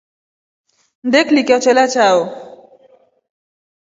Nnde kliko chelya chao.